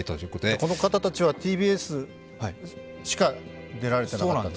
この方たちはＴＢＳしか出られていなかったと。